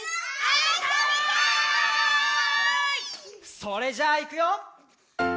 それじゃあいくよ！